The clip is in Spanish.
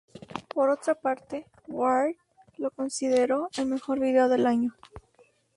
Por otra parte, "Wired" lo consideró el mejor video del año.